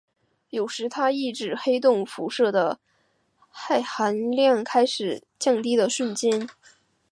有时它亦指黑洞辐射的熵含量开始降低的瞬间。